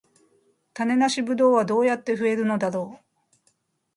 種なしブドウはどうやって増えるのだろう